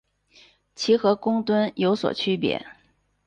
其和公吨有所区别。